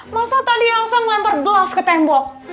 masa tadi elsa melempar gelas ke tembok